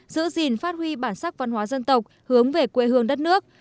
giữ gìn phát huy bản sắc văn hóa dân tộc hướng về quê hương đất nước